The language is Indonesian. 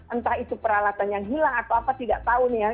entah itu peralatan yang hilang atau apa tidak tahu nih ya